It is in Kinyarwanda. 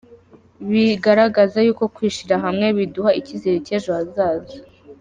Bigaragaza yuko kwishira hamwe, biduha icyizere cy’ ejo hazaza.